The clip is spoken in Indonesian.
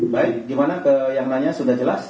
baik gimana ke yang nanya sudah jelas